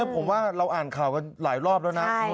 ผมว่าเราอ่านข่าวกันหลายรอบแล้วนะ